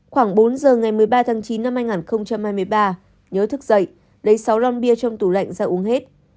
khoảng bốn giờ ngày một mươi ba tháng chín năm hai nghìn hai mươi ba nhớ thức dậy lấy sáu lon bia trong tủ lạnh ra uống hết